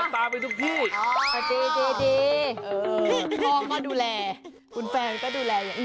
แฟนเขาตามไปทุกที่